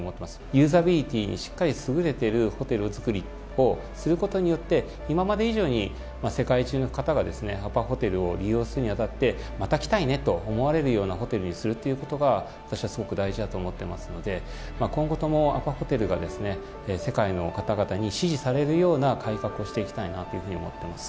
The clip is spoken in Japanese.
ユーザビリティに優れているホテルを作ることによって今まで以上に世界中の方がアパホテルを利用するに当たってまた来たいと思われるようなホテルにすることが私はすごく大事だと思っていますので今後ともアパホテルが世界の方々に支持されるような改革をしていきたいなと思っています。